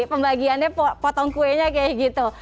pembagiannya potong kuenya kayak gitu